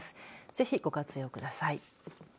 ぜひ、ご活用ください。